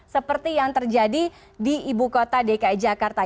seperti yang terjadi di ibu kota dki jakarta